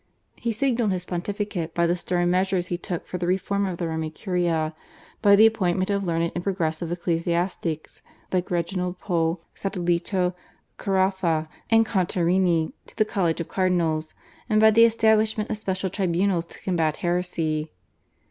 He signalised his pontificate by the stern measures he took for the reform of the Roman Curia, by the appointment of learned and progressive ecclesiastics like Reginald Pole, Sadoleto, Caraffa, and Contarini to the college of cardinals, and by the establishment of special tribunals to combat heresy.